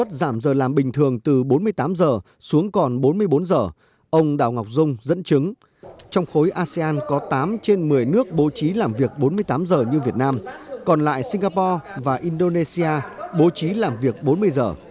trên một mươi nước bố trí làm việc bốn mươi tám giờ như việt nam còn lại singapore và indonesia bố trí làm việc bốn mươi giờ